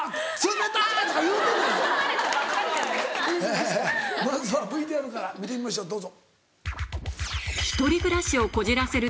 まずはＶＴＲから見てみましょうどうぞ。